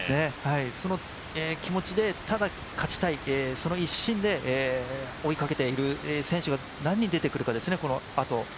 その気持ちで、ただ勝ちたいその一心で追いかけている選手が何人出てくるかですね、このあと。